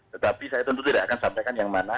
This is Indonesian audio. tetapi saya tentu tidak akan sampaikan yang mana